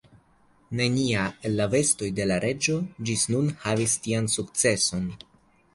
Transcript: Nenia el la vestoj de la reĝo ĝis nun havis tian sukceson.